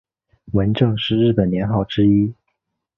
文正是日本年号之一。